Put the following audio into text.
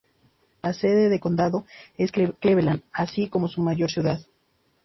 La sede de condado es Cleveland, así como su mayor ciudad.